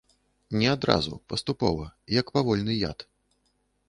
Не адразу, паступова, як павольны яд.